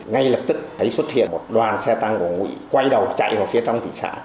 ngay lập tức thấy xuất hiện một đoàn xe tăng của ngụy quay đầu chạy vào phía trong thị xã